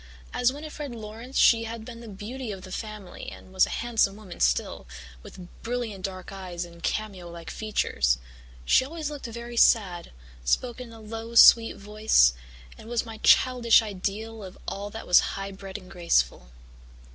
As Winnifred Laurance she had been the beauty of the family and was a handsome woman still, with brilliant dark eyes and cameo like features. She always looked very sad, spoke in a low sweet voice, and was my childish ideal of all that was high bred and graceful.